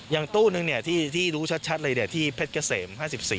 ตู้นึงที่รู้ชัดเลยที่เพชรเกษม๕๔